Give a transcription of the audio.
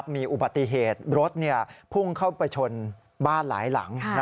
มีอุบัติเหตุรถพุ่งเข้าไปชนบ้านหลายหลัง